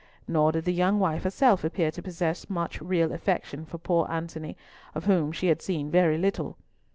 Nor did the young wife herself appear to possess much real affection for poor Antony, of whom she had seen very little.